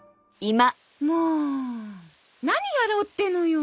もう何やろうってのよ？